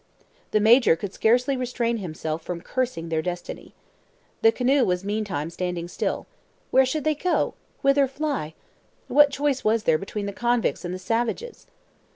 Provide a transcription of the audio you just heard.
The major could scarcely restrain himself from cursing their destiny. The canoe was meantime standing still. Where should they go? Whither fly? What choice was there between the convicts and the savages?